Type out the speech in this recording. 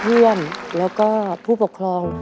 เพื่อนแล้วก็ผู้ปกครอง